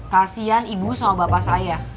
kasian ibu sama bapak saya